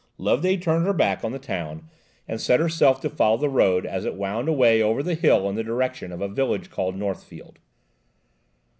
Loveday turned her back on the town and set herself to follow the road as it wound away over the hill in the direction of a village called Northfield.